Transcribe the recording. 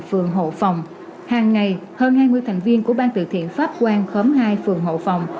phường hộ phòng hàng ngày hơn hai mươi thành viên của ban tự thiện pháp quan khóm hai phường hộ phòng